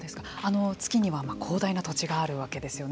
月には広大な土地があるわけですよね。